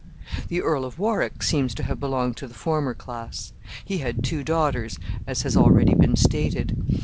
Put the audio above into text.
The Earl of Warwick seems to have belonged to the former class. He had two daughters, as has already been stated.